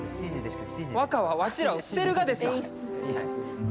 若は、わしらを捨てるがですか？